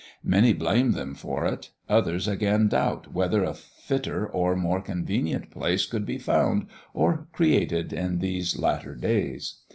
Many blame them for it; others again doubt whether a fitter or more convenient place could be found or created in these latter days.